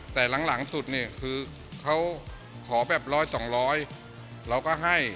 แต่หลังสุดเนี่ยคือเขาขอแบบร้อยสองร้อยเราก็ให้